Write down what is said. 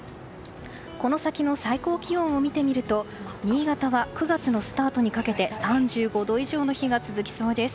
この先の最高気温を見てみると新潟は、９月のスタートにかけて３５度以上の日が続きそうです。